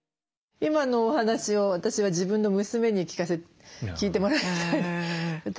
今のお話を私は自分の娘に聞いてもらいたい。